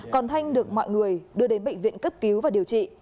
còn thanh được mọi người đưa đến bệnh viện cấp cứu và điều trị